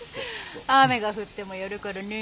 雨が降ってもやるからね。